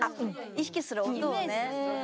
意識する音をね。